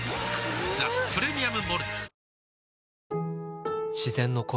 「ザ・プレミアム・モルツ」